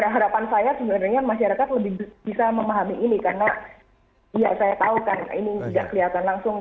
harapan saya sebenarnya masyarakat lebih bisa memahami ini karena ya saya tahu kan ini tidak kelihatan langsung